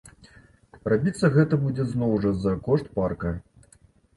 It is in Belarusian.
Рабіцца гэта будзе зноў жа за кошт парка.